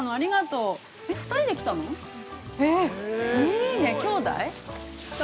◆いいね、きょうだい？